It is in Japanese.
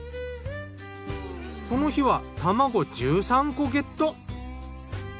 この日は卵１３個ゲット。